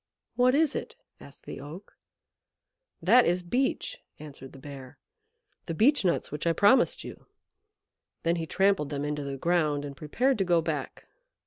"What is it?" asked the Oak. "That is Beech" answered the Bear "the Beech nuts which I promised you." Then he trampled them into the ground and prepared to go back.